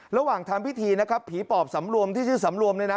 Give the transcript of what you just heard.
ระหว่างทำพิธีนะครับผีปอบสำรวมที่ชื่อสำรวมเนี่ยนะ